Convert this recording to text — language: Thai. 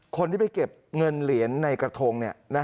คนที่ไปเก็บเงินเหรียญในกระทง